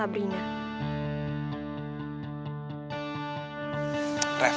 tapi disini kalo dia ngajarin